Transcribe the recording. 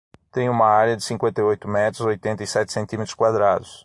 Tem uma área de cinquenta e oito metros, oitenta e sete decímetros quadrados.